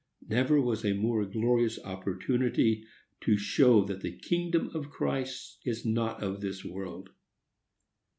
Never was a more glorious opportunity to show that the kingdom of Christ is not of this world.